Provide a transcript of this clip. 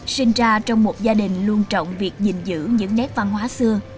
sinh ra trong một gia đình luôn trọng việc gìn giữ những nét văn hóa xưa